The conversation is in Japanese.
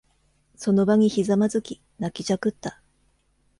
その場にひざまずき、泣きじゃくった。